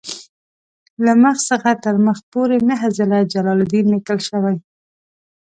له مخ څخه تر مخ پورې نهه ځله جلالدین لیکل شوی.